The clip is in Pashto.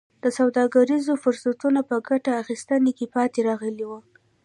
د سوداګریزو فرصتونو په ګټه اخیستنه کې پاتې راغلي وو.